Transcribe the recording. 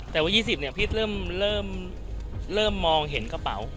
แต่ว่า๒๐เนี่ยพี่เริ่มมองเห็นกระเป๋า